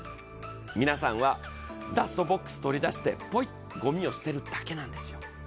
皆さんは、ダストボックス取り出してポイッ、ごみを捨てるだけなんですよ。